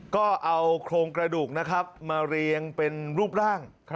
ก็เอาโครงกระดูกนะครับมาเรียงเป็นรูปร่าง